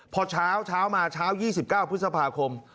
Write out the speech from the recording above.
พอเช้ามาเช้า๒๙พฤษภาคม